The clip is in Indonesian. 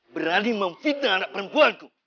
berani memfitnah anak perempuanku